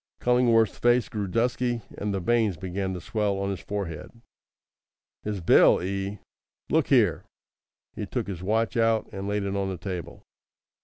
Cullingworth's face grew dusky, and the veins began to swell on his forehead. "His bill, eh! Look here!" He took his watch out and laid it on the table.